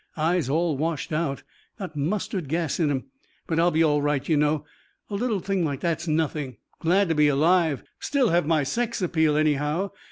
Eyes all washed out. Got mustard gas in 'em. But I'll be all right, you know. A little thing like that's nothing. Glad to be alive. Still have my sex appeal, anyhow.